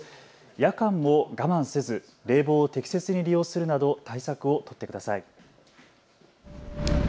夜間も我慢せず冷房を適切に利用するなど対策を取ってください。